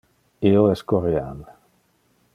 io es Corean.